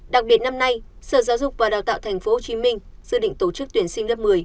đặc biệt năm nay sở giáo dục và đào tạo tp hcm dự định tổ chức tuyển sinh lớp một mươi